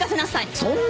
そんな事。